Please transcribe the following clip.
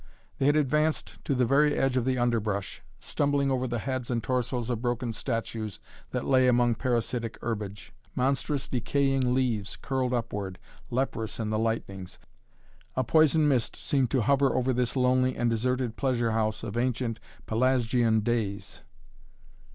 They had advanced to the very edge of the underbrush, stumbling over the heads and torsos of broken statues that lay among parasitic herbage. Monstrous decaying leaves curled upward, leprous in the lightnings. A poison mist seemed to hover over this lonely and deserted pleasure house of ancient Pelasgian days.